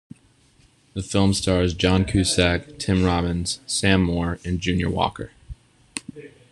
The film stars John Cusack, Tim Robbins, Sam Moore and Junior Walker.